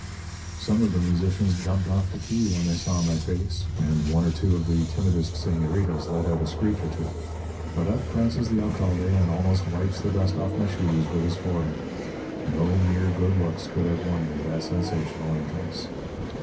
"Some of the musicians jumped off the key when they saw my face, and one or two of the timidest señoritas let out a screech or two. But up prances the alcalde and almost wipes the dust off my shoes with his forehead. No mere good looks could have won me that sensational entrance.